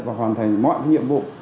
và hoàn thành mọi nhiệm vụ